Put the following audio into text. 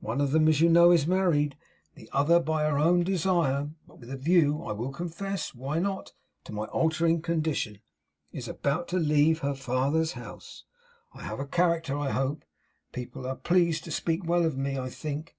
One of them, as you know, is married. The other, by her own desire, but with a view, I will confess why not? to my altering my condition, is about to leave her father's house. I have a character, I hope. People are pleased to speak well of me, I think.